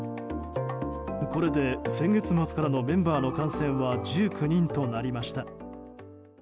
これで先月末からのメンバーの感染は１９人となりました。